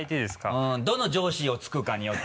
うんどの上司を突くかによって。